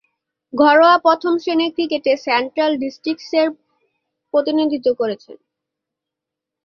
ঘরোয়া প্রথম-শ্রেণীর ক্রিকেটে সেন্ট্রাল ডিস্ট্রিক্টসের প্রতিনিধিত্ব করছেন।